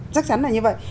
chắc chắn là như vậy